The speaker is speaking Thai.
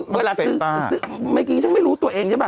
เมื่อกี้ฉันไม่รู้ตัวเองใช่ป่ะ